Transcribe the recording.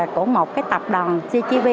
của một tập đoàn cgv